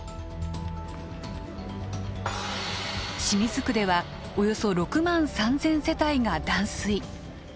清水区ではおよそ６万３，０００世帯が断水。